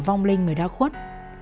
vòng linh người đã khuất